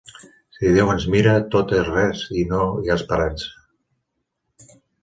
Si Déu ens mira, tot és res i no hi ha esperança.